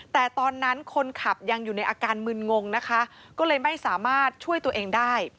แต่ตอนนั้นคนขับยังอยู่ในอาการมึนงงนะคะก็เลยไม่สามารถช่วยตัวเองได้